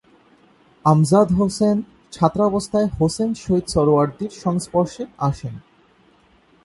আমজাদ হোসেন ছাত্রাবস্থায় হোসেন শহীদ সোহরাওয়ার্দীর সংস্পর্শে আসেন।